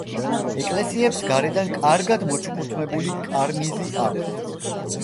ეკლესიებს გარედან კარგად მოჩუქურთმებული კარნიზი აქვს.